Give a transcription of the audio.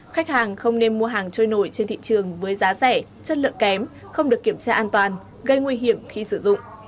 khách hàng không nên mua hàng trôi nổi trên thị trường với giá rẻ chất lượng kém không được kiểm tra an toàn gây nguy hiểm khi sử dụng